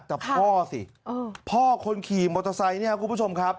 แต่พ่อสิพ่อคนขี่มอเตอร์ไซค์เนี่ยคุณผู้ชมครับ